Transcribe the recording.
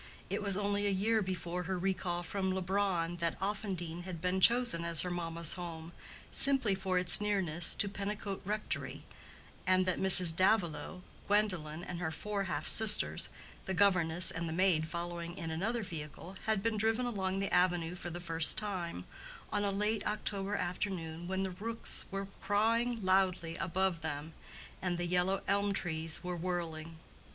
It was only a year before her recall from Leubronn that Offendene had been chosen as her mamma's home, simply for its nearness to Pennicote Rectory, and that Mrs. Davilow, Gwendolen, and her four half sisters (the governess and the maid following in another vehicle) had been driven along the avenue for the first time, on a late October afternoon when the rooks were crawing loudly above them, and the yellow elm leaves were whirling.